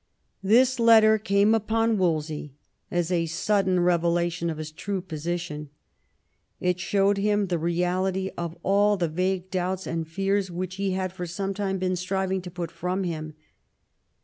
This letter came upon Wolsey as a sudden revelation of his true position. It showed him the reality of all the vague doubts and fears which he had for some time been striving to put from him.